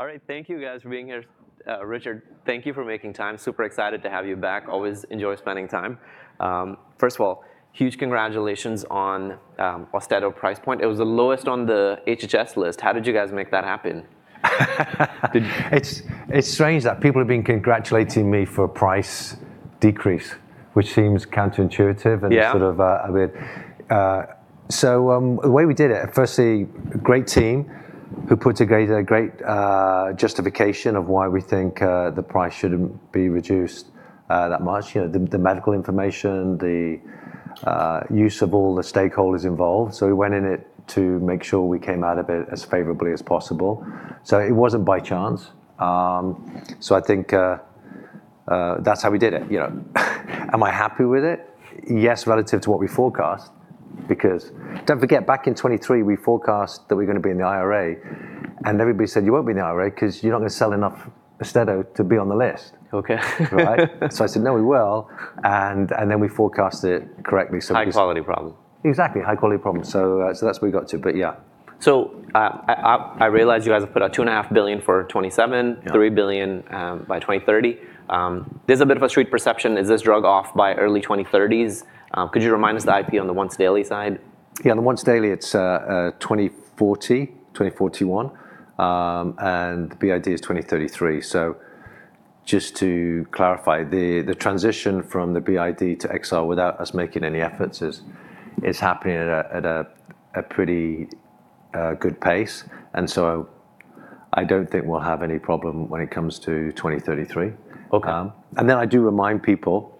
All right, thank you guys for being here. Richard, thank you for making time. Super excited to have you back. Always enjoy spending time. First of all, huge congratulations on Austedo price point. It was the lowest on the HHS list. How did you guys make that happen? It's strange that people have been congratulating me for a price decrease, which seems counterintuitive and sort of a bit. So the way we did it, firstly, great team who put together a great justification of why we think the price shouldn't be reduced that much. The medical information, the use of all the stakeholders involved. So we went in it to make sure we came out of it as favorably as possible. So it wasn't by chance. So I think that's how we did it. Am I happy with it? Yes, relative to what we forecast, because don't forget, back in 2023, we forecast that we're going to be in the IRA, and everybody said, "You won't be in the IRA because you're not going to sell enough Austedo to be on the list." So I said, "No, we will." And then we forecast it correctly. High-quality problem. Exactly, high-quality problem. So that's what we got to, but yeah. I realize you guys have put out $2.5 billion for 2027, $3 billion by 2030. There's a bit of a street perception. Is this drug off by early 2030s? Could you remind us the IP on the once daily side? Yeah, on the once daily, it's 2040, 2041, and the BID is 2033. So just to clarify, the transition from the BID to XR without us making any efforts is happening at a pretty good pace. And so I don't think we'll have any problem when it comes to 2033. And then I do remind people,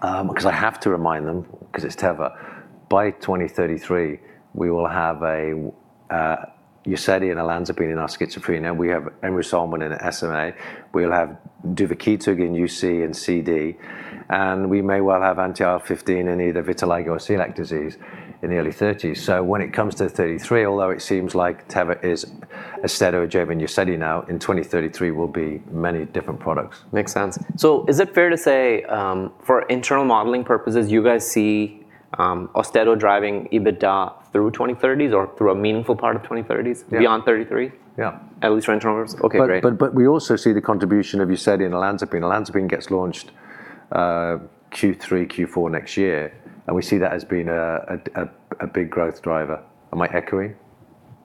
because I have to remind them, because it's Teva, by 2033, we will have Uzedy and olanzapine in our schizophrenia. We have Emrusolmin in SMA. We'll have Duvakitug in UC and CD. And we may well have anti-IL-15 in either vitiligo or celiac disease in the early 2030s. So when it comes to 2033, although it seems like Teva is Austedo driven Uzedy now, in 2033, we'll be many different products. Makes sense. So is it fair to say, for internal modeling purposes, you guys see Austedo driving EBITDA through 2030 or through a meaningful part of 2030s beyond 2033? Yeah. At least for internal purposes? Okay, great. But we also see the contribution of Uzedy and olanzapine. Olanzapine gets launched Q3, Q4 next year. And we see that as being a big growth driver. Am I echoing?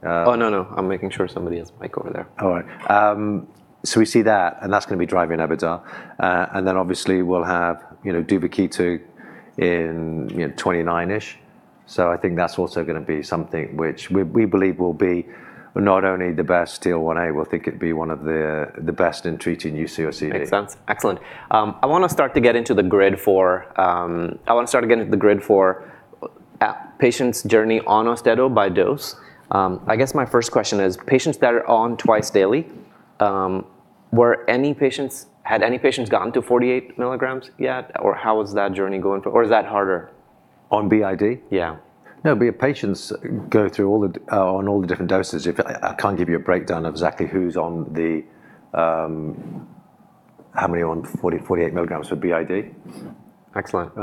Oh, no, no. I'm making sure somebody has a mic over there. All right. So we see that, and that's going to be driving EBITDA. And then obviously, we'll have Duvakitug in 2029-ish. So I think that's also going to be something which we believe will be not only the best TL1A. We'll think it'd be one of the best in treating UC or CD. Makes sense. Excellent. I want to start to get into the grid for patients' journey on Austedo by dose. I guess my first question is, patients that are on twice daily, had any patients gotten to 48 mg yet? Or how is that journey going? Or is that harder? On BID? Yeah. No, patients go through on all the different doses. I can't give you a breakdown of exactly who's on how many on 48 mg for BID. Excellent.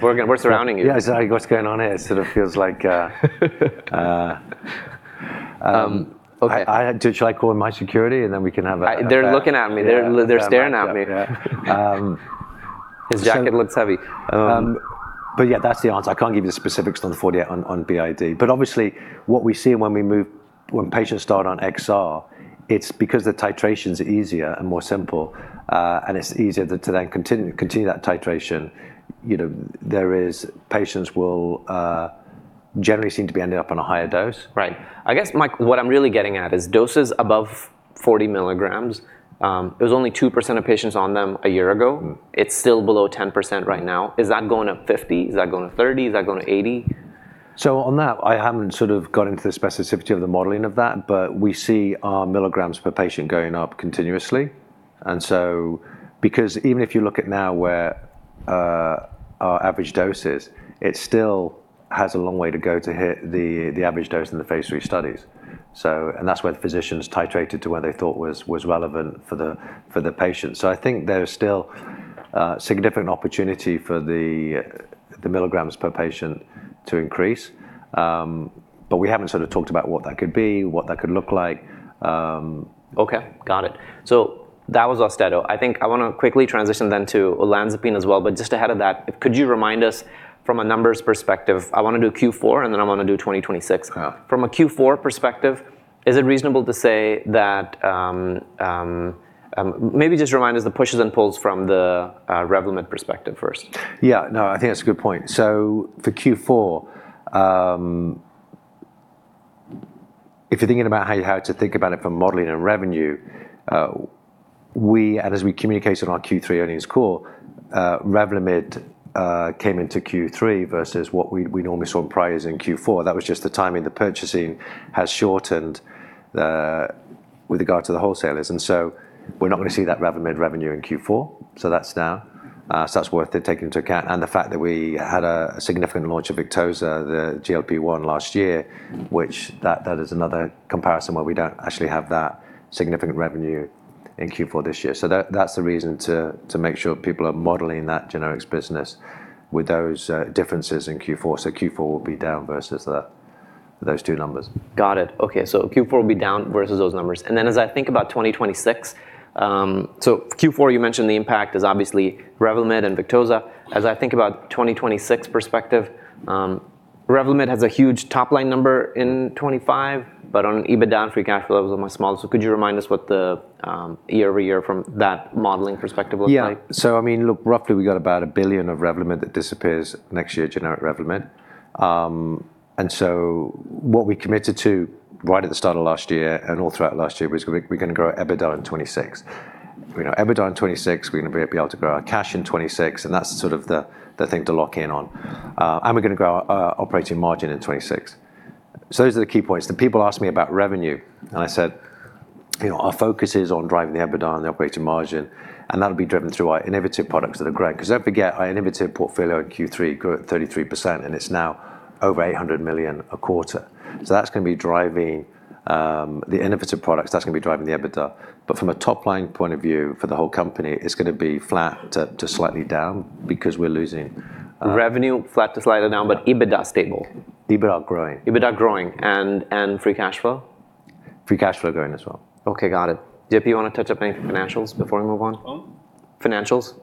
We're surrounding you. Yeah, exactly what's going on here. It sort of feels like... Should I call my security and then we can have a... They're looking at me. They're staring at me. His jacket looks heavy. But yeah, that's the answer. I can't give you the specifics on the 48 on BID. But obviously, what we see when patients start on XR, it's because the titration is easier and more simple, and it's easier to then continue that titration. Patients will generally seem to be ending up on a higher dose. Right. I guess what I'm really getting at is doses above 40 mg. It was only 2% of patients on them a year ago. It's still below 10% right now. Is that going up 50? Is that going to 30? Is that going to 80? So on that, I haven't sort of got into the specificity of the modeling of that, but we see our milligrams per patient going up continuously. And so because even if you look at now where our average dose is, it still has a long way to go to hit the average dose in the phase III studies. And that's where the physicians titrated to where they thought was relevant for the patient. So I think there's still significant opportunity for the milligrams per patient to increase. But we haven't sort of talked about what that could be, what that could look like. Okay, got it. So that was Austedo. I think I want to quickly transition then to olanzapine as well. But just ahead of that, could you remind us from a numbers perspective? I want to do Q4, and then I want to do 2026. From a Q4 perspective, is it reasonable to say that... Maybe just remind us the pushes and pulls from the Revlimid perspective first. Yeah, no, I think that's a good point. So for Q4, if you're thinking about how to think about it from modeling and revenue, and as we communicated on our Q3 earnings call, Revlimid came into Q3 versus what we normally saw in priors in Q4. That was just the timing the purchasing has shortened with regard to the wholesalers. And so we're not going to see that Revlimid revenue in Q4. So that's now. So that's worth taking into account. And the fact that we had a significant launch of Victoza, the GLP-1 last year, which that is another comparison where we don't actually have that significant revenue in Q4 this year. So that's the reason to make sure people are modeling that generics business with those differences in Q4. So Q4 will be down versus those two numbers. Got it. Okay, so Q4 will be down versus those numbers. And then as I think about 2026, so Q4, you mentioned the impact is obviously Revlimid and Victoza. As I think about 2026 perspective, Revlimid has a huge top line number in 2025, but on EBITDA and free cash flow levels, much smaller. So could you remind us what the year over year from that modeling perspective looks like? Yeah, so I mean, look, roughly we've got about $1 billion of Revlimid that disappears next year, generic Revlimid. And so what we committed to right at the start of last year and all throughout last year was we're going to grow EBITDA in 2026. EBITDA in 2026, we're going to be able to grow our cash in 2026. And that's sort of the thing to lock in on. And we're going to grow our operating margin in 2026. So those are the key points. The people asked me about revenue, and I said, our focus is on driving the EBITDA and the operating margin, and that'll be driven through our innovative products that are growing. Because don't forget, our innovative portfolio in Q3 grew at 33%, and it's now over $800 million a quarter. So that's going to be driving the innovative products. That's going to be driving the EBITDA, but from a top line point of view for the whole company, it's going to be flat to slightly down because we're losing. Revenue flat to slightly down, but EBITDA stable. EBITDA growing. EBITDA growing. And free cash flow? Free cash flow going as well. Okay, got it. JP, you want to touch up any financials before we move on? Financials?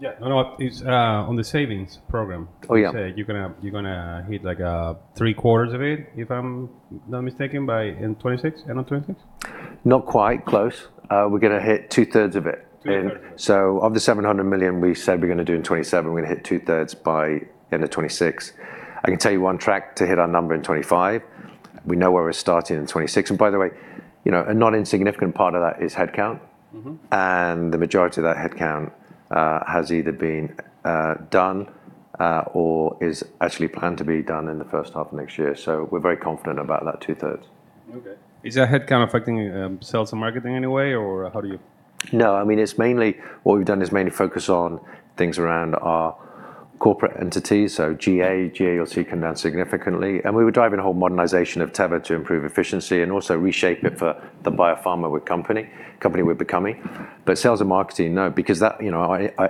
Yeah, no, no, it's on the savings program. You're going to hit like three quarters of it, if I'm not mistaken, by 2026, end of 2026? Not quite close. We're going to hit two third of it. So of the $700 million we said we're going to do in 2027, we're going to hit two third by end of 2026. I can tell you one track to hit our number in 2025. We know where we're starting in 2026. And by the way, a non-insignificant part of that is headcount. And the majority of that headcount has either been done or is actually planned to be done in the first half of next year. So we're very confident about that two thirds. Okay. Is that headcount affecting sales and marketing in any way, or how do you? No, I mean, what we've done is mainly focus on things around our corporate entities. So G&A headcount down significantly. And we were driving a whole modernization of Teva to improve efficiency and also reshape it for the biopharma company we're becoming. But sales and marketing, no, because that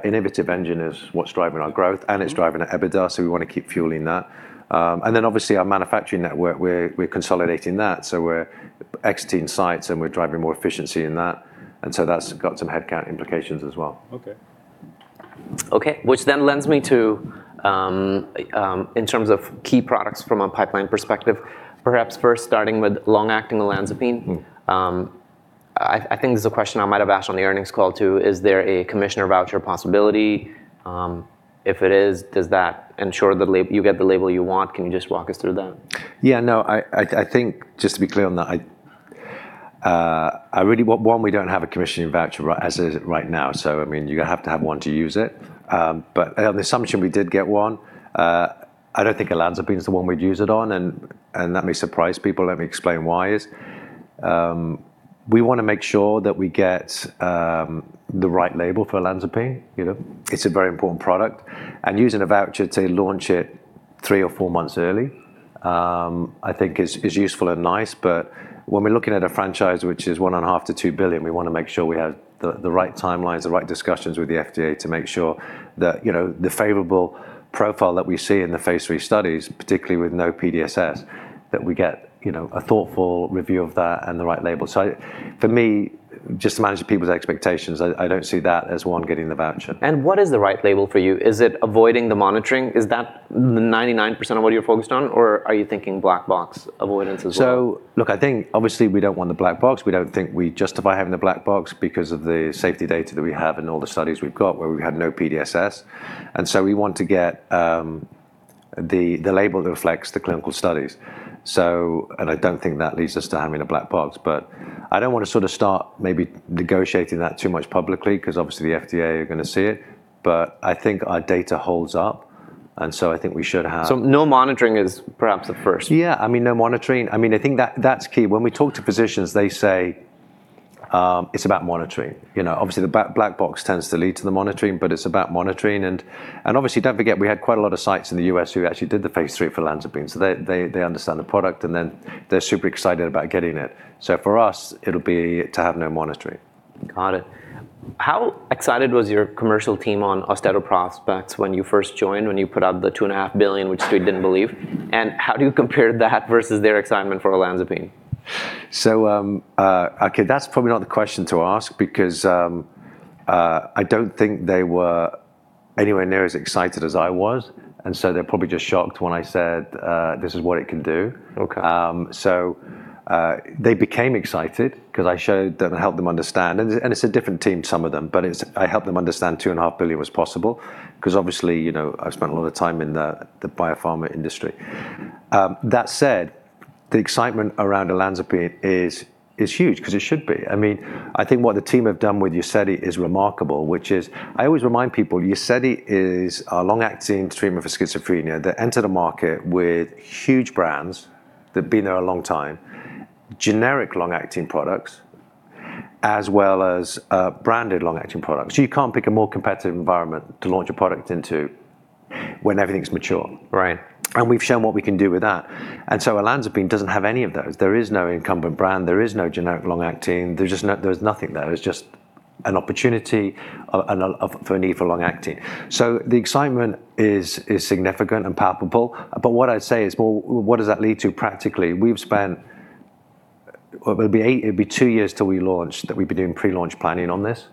innovative engine is what's driving our growth, and it's driving our EBITDA, so we want to keep fueling that. And then obviously, our manufacturing network, we're consolidating that. So we're exiting sites and we're driving more efficiency in that. And so that's got some headcount implications as well. Okay. Okay, which then leads me to, in terms of key products from a pipeline perspective, perhaps first starting with long-acting olanzapine. I think this is a question I might have asked on the earnings call too. Is there a commissioning voucher possibility? If it is, does that ensure that you get the label you want? Can you just walk us through that? Yeah, no, I think just to be clear on that, I really want one. We don't have a commissioning voucher as of right now. So I mean, you're going to have to have one to use it. But on the assumption we did get one, I don't think olanzapine is the one we'd use it on. And that may surprise people. Let me explain why is. We want to make sure that we get the right label for olanzapine. It's a very important product. And using a voucher to launch it three or four months early, I think, is useful and nice. But when we're looking at a franchise, which is $1.5 billion-$2 billion, we want to make sure we have the right timelines, the right discussions with the FDA to make sure that the favorable profile that we see in the phase III studies, particularly with no PDSS, that we get a thoughtful review of that and the right label. So for me, just managing people's expectations, I don't see that as one getting the voucher. What is the right label for you? Is it avoiding the monitoring? Is that 99% of what you're focused on? Or are you thinking Black Box avoidance as well? So look, I think obviously we don't want the black box. We don't think we justify having the black box because of the safety data that we have and all the studies we've got where we've had no PDSS. And so we want to get the label that reflects the clinical studies. And I don't think that leads us to having a black box. But I don't want to sort of start maybe negotiating that too much publicly because obviously the FDA are going to see it. But I think our data holds up. And so I think we should have. No monitoring is perhaps the first. Yeah, I mean, no monitoring. I mean, I think that's key. When we talk to physicians, they say it's about monitoring. Obviously, the black box tends to lead to the monitoring, but it's about monitoring. And obviously, don't forget, we had quite a lot of sites in the U.S. who actually did the phase III for olanzapine. So they understand the product and then they're super excited about getting it. So for us, it'll be to have no monitoring. Got it. How excited was your commercial team on Austedo prospects when you first joined, when you put out the $2.5 billion, which they didn't believe? And how do you compare that versus their excitement for olanzapine? Okay, that's probably not the question to ask because I don't think they were anywhere near as excited as I was. They were probably just shocked when I said, this is what it can do. They became excited because I showed them and helped them understand $2.5 billion was possible because obviously I've spent a lot of time in the biopharma industry. That said, the excitement around olanzapine is huge because it should be. I mean, I think what the team have done with Uzedy is remarkable, which is I always remind people, Uzedy is a long-acting treatment for schizophrenia. They entered the market with huge brands that have been there a long time, generic long-acting products, as well as branded long-acting products. You can't pick a more competitive environment to launch a product into when everything's mature, and we've shown what we can do with that, and so olanzapine doesn't have any of those. There is no incumbent brand. There is no generic long-acting. There's nothing there. It's just an opportunity for need for long-acting. So the excitement is significant and palpable, but what I'd say is more, what does that lead to practically? We've spent. It'll be two years till we launch. That we've been doing pre-launch planning on this,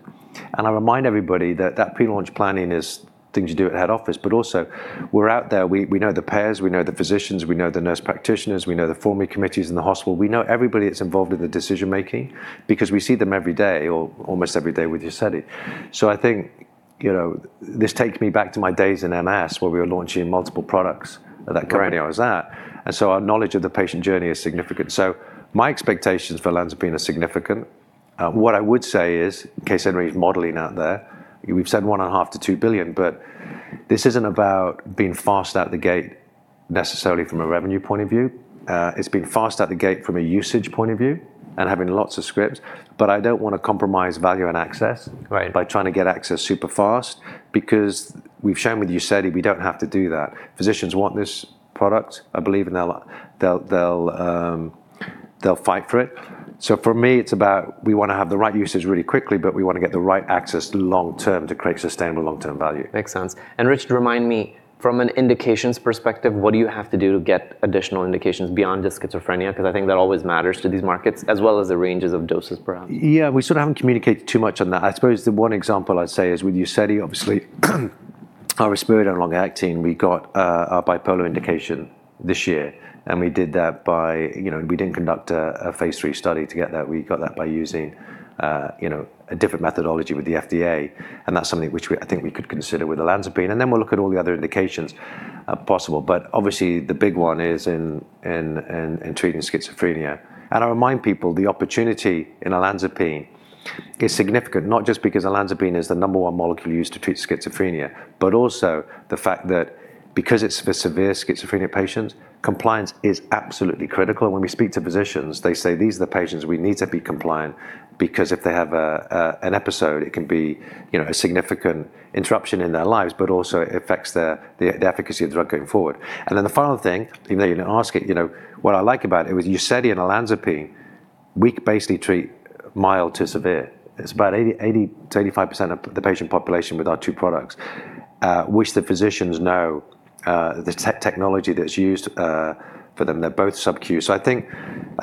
and I remind everybody that that pre-launch planning is things you do at head office, but also we're out there. We know the payers, we know the physicians, we know the nurse practitioners, we know the formulary committees in the hospital. We know everybody that's involved in the decision-making because we see them every day or almost every day with Uzedy. So I think this takes me back to my days in MS where we were launching multiple products at that company I was at. And so our knowledge of the patient journey is significant. So my expectations for olanzapine are significant. What I would say is, in case anybody's modeling out there, we've said $1.5 billion-$2 billion, but this isn't about being fast out the gate necessarily from a revenue point of view. It's being fast out the gate from a usage point of view and having lots of scripts. But I don't want to compromise value and access by trying to get access super fast because we've shown with Uzedy, we don't have to do that. Physicians want this product. I believe they'll fight for it. So for me, it's about we want to have the right usage really quickly, but we want to get the right access long-term to create sustainable long-term value. Makes sense. And Rich, remind me from an indications perspective, what do you have to do to get additional indications beyond just schizophrenia? Because I think that always matters to these markets as well as the ranges of doses perhaps. Yeah, we sort of haven't communicated too much on that. I suppose the one example I'd say is with Uzedy, obviously, our risperidone long-acting, we got our bipolar indication this year. And we did that by, we didn't conduct a phase III study to get that. We got that by using a different methodology with the FDA. And that's something which I think we could consider with olanzapine. And then we'll look at all the other indications possible. But obviously, the big one is in treating schizophrenia. And I remind people, the opportunity in olanzapine is significant, not just because olanzapine is the number one molecule used to treat schizophrenia, but also the fact that because it's for severe schizophrenia patients, compliance is absolutely critical. And when we speak to physicians, they say, these are the patients we need to be compliant because if they have an episode, it can be a significant interruption in their lives, but also it affects the efficacy of the drug going forward. And then the final thing, even though you didn't ask it, what I like about it was Uzedy and olanzapine, we basically treat mild to severe. It's about 80%-85% of the patient population with our two products, which the physicians know the technology that's used for them. They're both sub-Q. So I think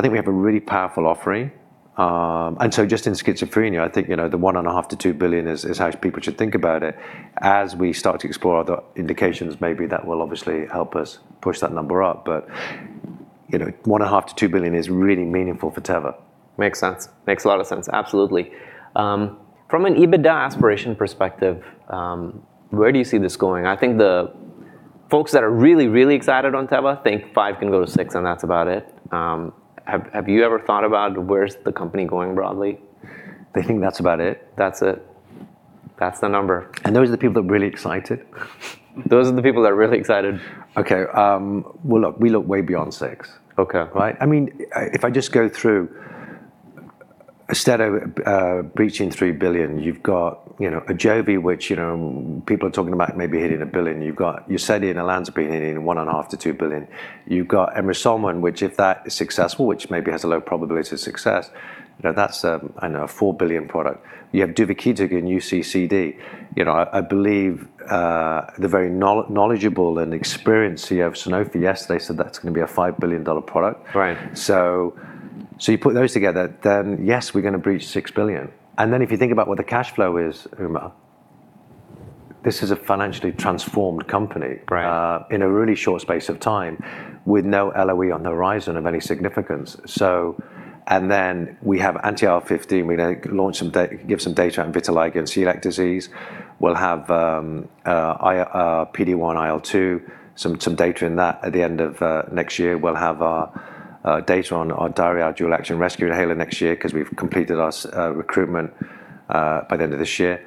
we have a really powerful offering. And so just in schizophrenia, I think the $1.5 billion-$2 billion is how people should think about it. As we start to explore other indications, maybe that will obviously help us push that number up. $1.5 billion-$2 billion is really meaningful for Teva. Makes sense. Makes a lot of sense. Absolutely. From an EBITDA aspiration perspective, where do you see this going? I think the folks that are really, really excited on Teva think five can go to six and that's about it. Have you ever thought about where's the company going broadly? They think that's about it. That's it. That's the number. Those are the people that are really excited. Those are the people that are really excited. Okay. Well, look, we look way beyond six. I mean, if I just go through, instead of breaching $3 billion, you've got Ajovy, which people are talking about maybe hitting $1 billion. You've got Uzedy and olanzapine hitting $1.5 billion-$2 billion. You've got Emrusolmin, which if that is successful, which maybe has a low probability of success, that's a $4 billion product. You have Duvakitug and UC and CD. I believe the very knowledgeable and experienced CEO Sanofi, yesterday said that's going to be a $5 billion product. So you put those together, then yes, we're going to breach $6 billion. And then if you think about what the cash flow is, Uma, this is a financially transformed company in a really short space of time with no LOE on the horizon of any significance. And then we have anti-IL-15. We're going to give some data on vitiligo, celiac disease. We'll have PD1- IL-2, some data in that at the end of next year. We'll have data on our ICS/SABA dual action rescue inhaler next year because we've completed our recruitment by the end of this year,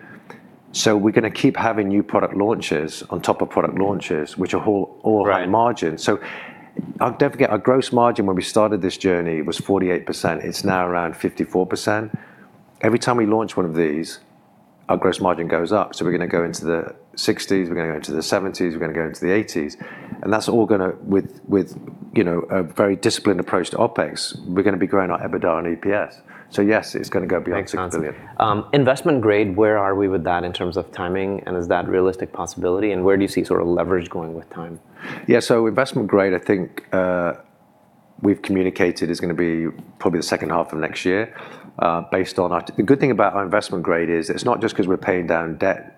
so we're going to keep having new product launches on top of product launches, which are all on margin. So I'll definitely get our gross margin; when we started this journey was 48%. It's now around 54%. Every time we launch one of these, our gross margin goes up, so we're going to go into the 60s. We're going to go into the 70s. We're going to go into the 80s. And that's all going to, with a very disciplined approach to OpEx, we're going to be growing our EBITDA on EPS, so yes, it's going to go beyond $6 billion. Investment Grade, where are we with that in terms of timing? And is that realistic possibility? And where do you see sort of leverage going with time? Yeah, so investment grade, I think we've communicated, is going to be probably the second half of next year based on our. The good thing about our investment grade is it's not just because we're paying down debt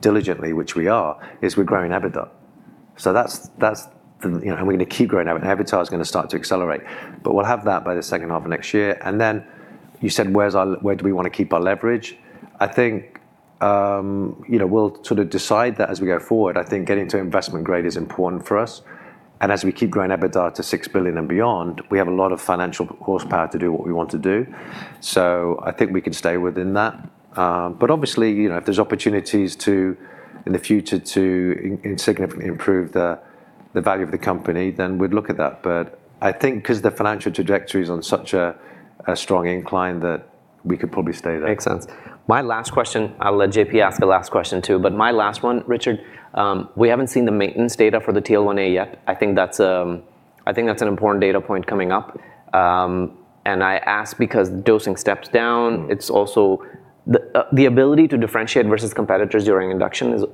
diligently, which we are. We're growing EBITDA. So that's the. And we're going to keep growing EBITDA. EBITDA is going to start to accelerate. But we'll have that by the second half of next year. And then you said, where do we want to keep our leverage? I think we'll sort of decide that as we go forward. I think getting to investment grade is important for us. And as we keep growing EBITDA to $6 billion and beyond, we have a lot of financial horsepower to do what we want to do. So I think we can stay within that. Obviously, if there's opportunities in the future to significantly improve the value of the company, then we'd look at that. I think because the financial trajectory is on such a strong incline that we could probably stay there. Makes sense. My last question, I'll let JP ask the last question too. But my last one, Richard, we haven't seen the maintenance data for the TL1A yet. I think that's an important data point coming up. And I ask because dosing steps down. It's also the ability to differentiate versus competitors during induction is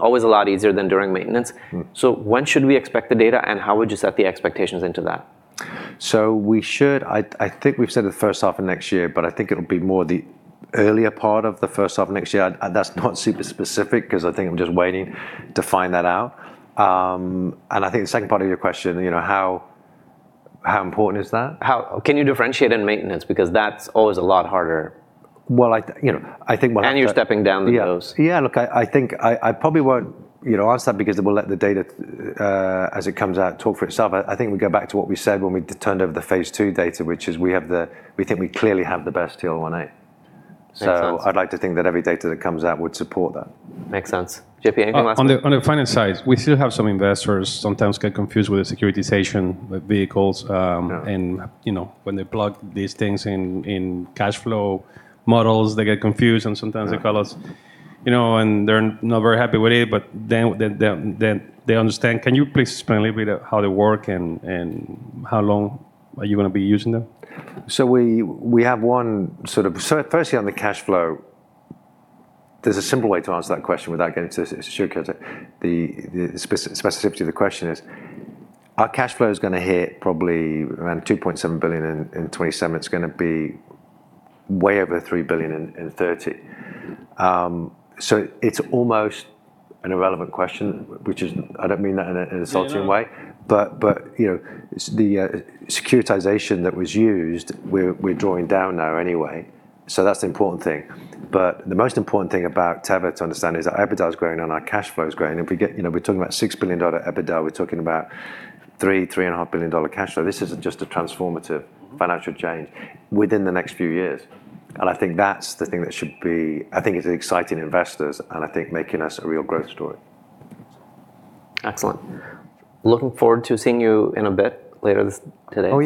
always a lot easier than during maintenance. So when should we expect the data and how would you set the expectations into that? So, we should. I think we've said the first half of next year, but I think it'll be more the earlier part of the first half of next year. That's not super specific because I think I'm just waiting to find that out. And I think the second part of your question, how important is that? Can you differentiate in maintenance because that's always a lot harder? Well, I think we'll have to. You're stepping down the dose. Yeah, look, I think I probably won't answer that because we'll let the data as it comes out talk for itself. I think we go back to what we said when we turned over the phase II data, which is we think we clearly have the best TL1A. So I'd like to think that every data that comes out would support that. Makes sense. JP, anything last minute? On the finance side, we still have some investors sometimes get confused with the securitization of vehicles, and when they plug these things in cash flow models, they get confused and sometimes they call us and they're not very happy with it, but then they understand. Can you please explain a little bit how they work and how long are you going to be using them? So we have one sort of. Firstly on the cash flow, there's a simple way to answer that question without getting to the specificity of the question. It is our cash flow is going to hit probably around $2.7 billion in 2027. It's going to be way over $3 billion in 2030. So it's almost an irrelevant question, which is, I don't mean that in an insulting way, but the securitization that was used, we're drawing down now anyway. So that's the important thing. But the most important thing about Teva to understand is our EBITDA is growing and our cash flow is growing. If we're talking about $6 billion EBITDA, we're talking about $3 billion-$3.5 billion cash flow. This isn't just a transformative financial change within the next few years. And I think that's the thing that should be. I think it's exciting investors and I think making us a real growth story. Excellent. Looking forward to seeing you in a bit, later today.